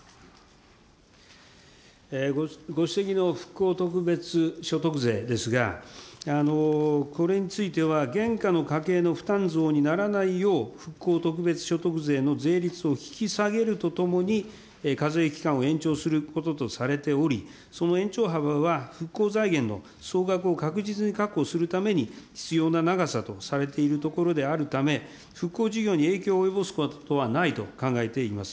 ご指摘の復興特別所得税ですが、これについては現下の家計の負担増にならないよう、復興特別所得税の税率を引き下げるとともに、課税期間を延長することとされており、その延長幅は復興財源の総額を確実に確保するために必要な長さとされているところであるため、復興事業に影響を及ぼすことはないと考えています。